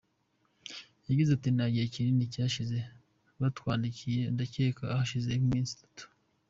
Yagize ati " Nta gihe kinini gishize batwandikiye ndacyeka hashize nk’iminsi itatu.